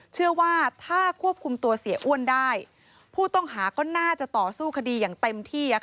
เชื่อว่าถ้าควบคุมตัวเสียอ้วนได้ผู้ต้องหาก็น่าจะต่อสู้คดีอย่างเต็มที่